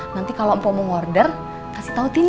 nanti kalo mpo mau order kasih tau tine